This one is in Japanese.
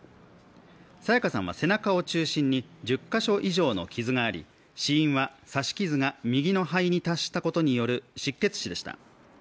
彩加さんは背中を中心に１０カ所以上の傷があり死因は刺し傷が右の肺に達したことによる失血死でした。